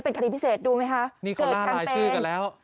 เป็นคดีพิเศษดูไหมค่ะนี่เขาล่าลายชื่อกันแล้ว